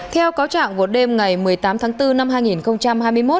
theo cáo trạng vào đêm ngày một mươi tám tháng bốn năm hai nghìn hai mươi một